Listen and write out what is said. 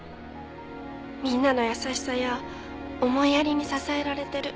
みんなの優しさや思いやりに支えられてる。